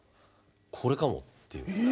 これかもっていう。